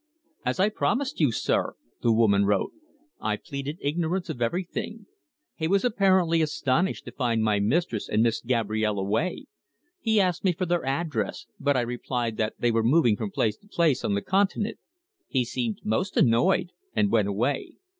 "As I promised you, sir," the woman wrote, "I pleaded ignorance of everything. He was apparently astonished to find my mistress and Miss Gabrielle away. He asked me for their address, but I replied that they were moving from place to place on the Continent. He seemed most annoyed, and went away."